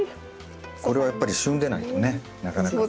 これはやっぱり旬でないとねなかなか。